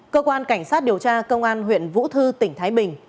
cơ quan cảnh sát điều tra công an huyện vũ thư tỉnh thái bình